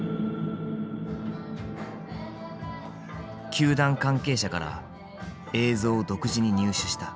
球団関係者から映像を独自に入手した。